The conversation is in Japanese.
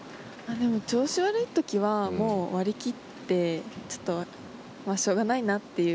でも、調子悪い時はもう割り切ってまあしょうがないなっていう。